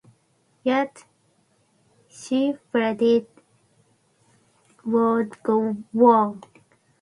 Yet she felt it would go wrong.